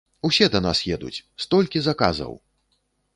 Усе да нас едуць, столькі заказаў!